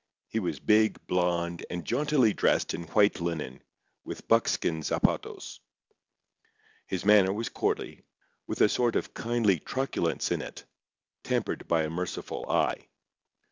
He was big, blonde, and jauntily dressed in white linen, with buckskin zapatos. His manner was courtly, with a sort of kindly truculence in it, tempered by a merciful eye.